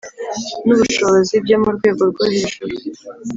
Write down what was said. n ubushobozi byo mu rwego rwo hejuru